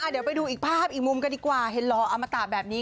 เดี๋ยวไปดูอีกภาพอีกมุมกันดีกว่าเห็นหล่ออมตะแบบนี้